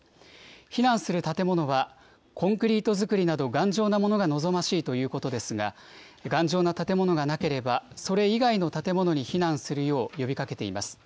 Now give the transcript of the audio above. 避難する建物は、コンクリート造りなど、頑丈なものが望ましいということですが、頑丈な建物がなければ、それ以外の建物に避難するよう呼びかけています。